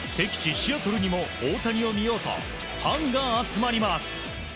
シアトルにも大谷を見ようとファンが集まります。